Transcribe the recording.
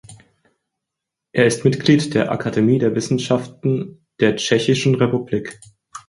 Er ist Mitglied der „Akademie der Wissenschaften der Tschechischen Republik“.